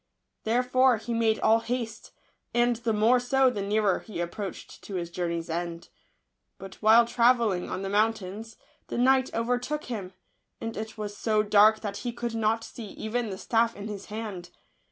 Therefore he made all haste, and the more so the nearer he approached to his journey s end. But while travelling on the moun Digitized by Google tains, the night overtook him ; and it was so dark that he could not see even the staff in his hand.